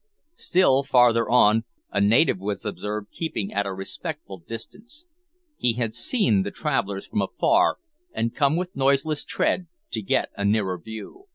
Still farther on, a native was observed keeping at a respectful distance. He had seen the travellers from afar, and come with noiseless tread to get a nearer view.